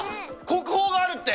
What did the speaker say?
国宝があるって！